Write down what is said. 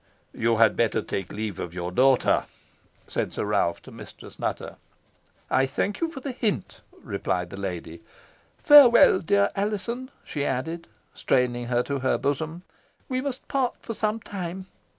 "You had better take leave of your daughter," said Sir Ralph to Mistress Nutter. "I thank you for the hint," replied the lady. "Farewell, dear Alizon," she added, straining her to her bosom. "We must part for some time.